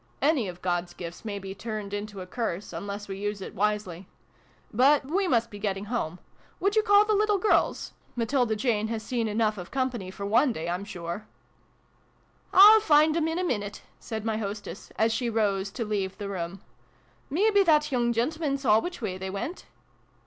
Any of God's gifts may be turned into a curse, unless we use it wisely. But we must be getting home. Would you call the little girls ? Matilda Jane has seen enough of company, for one day, I'm sure !" v] MATILDA JANE. 73 " I'll find 'em in a minute," said my hostess, as she rose to leave the room. " Maybe that young gentleman saw which way they went